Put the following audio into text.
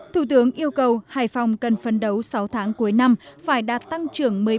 thủ tướng yêu cầu hải phòng cần phấn đấu sáu tháng cuối năm phải đạt tăng trưởng một mươi ba hai mươi sáu